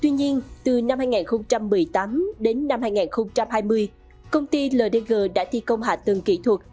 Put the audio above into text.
tuy nhiên từ năm hai nghìn một mươi tám đến năm hai nghìn hai mươi công ty ldg đã thi công hạ tầng kỹ thuật